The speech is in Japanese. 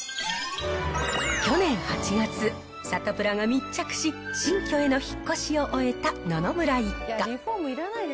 去年８月、サタプラが密着し、新居への引っ越しを終えた野々村一家。